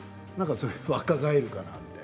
若返るかなって。